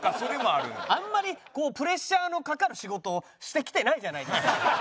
あんまりプレッシャーのかかる仕事してきてないじゃないですか。